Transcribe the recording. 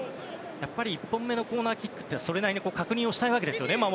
やっぱり１本目のコーナーキックは守る側からすると、それなりに確認したいわけですよね。